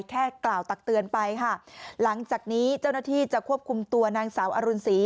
กล่าวตักเตือนไปค่ะหลังจากนี้เจ้าหน้าที่จะควบคุมตัวนางสาวอรุณศรี